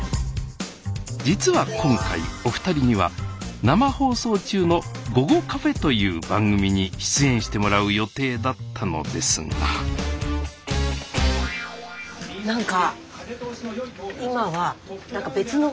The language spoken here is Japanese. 実は今回お二人には生放送中の「ごごカフェ」という番組に出演してもらう予定だったのですが残念！